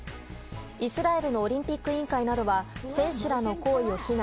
イスラエルのオリンピック委員会などは選手らの行為を非難。